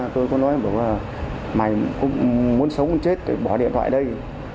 tôi có nói là mày muốn sống chết thì bỏ điện thoại đây